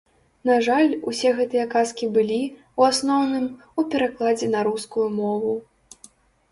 На жаль, усе гэтыя казкі былі, у асноўным, у перакладзе на рускую мову.